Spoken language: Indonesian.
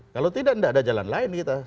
kalau tidak tidak ada jalan lain kita